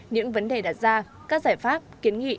những vấn đề đặt ra các giải pháp kiến nghị